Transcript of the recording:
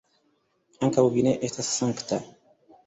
Ankaŭ vi ne estas sankta.